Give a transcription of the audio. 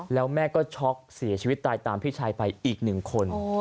แล้วแม่ก็ช็อกเสียชีวิตตายตามพี่ชายไปอีกหนึ่งคน